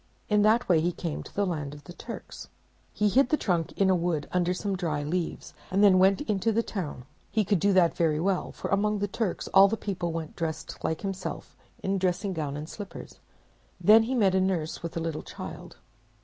In that way he came to the land of the Turks. He hid the trunk in a wood under some dry leaves, and then went into the town. He could do that very well, for among the Turks all the people went about dressed like himself in dressing gown and slippers. Then he met a nurse with a little child.